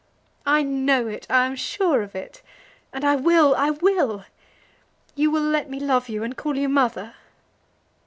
"I know it. I am sure of it. And I will; I will. You will let me love you, and call you mother?"